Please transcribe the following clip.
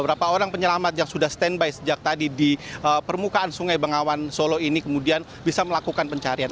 berapa orang penyelamat yang sudah standby sejak tadi di permukaan sungai bengawan solo ini kemudian bisa melakukan pencarian